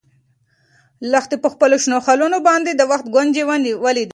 لښتې په خپلو شنو خالونو باندې د وخت ګونځې ولیدې.